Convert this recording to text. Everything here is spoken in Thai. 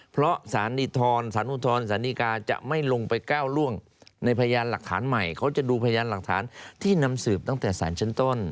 เพราะสารนิทรสารอุทธรสารดีกาจะไม่ลงไปก้าวล่วงในพยานหลักฐานใหม่เขาจะดูพยานหลักฐานที่นำสืบตั้งแต่สารชั้นต้น